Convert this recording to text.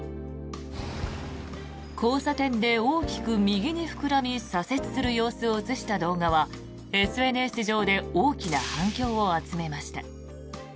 交差点で大きく右に膨らみ左折する様子を映した動画はＳＮＳ上で大きな反響を集めました。